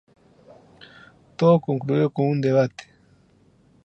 Todo concluyó con un debate.